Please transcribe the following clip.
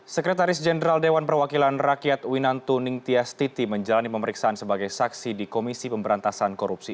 sekretaris jenderal dewan perwakilan rakyat winantu ningtyastiti menjalani pemeriksaan sebagai saksi di komisi pemberantasan korupsi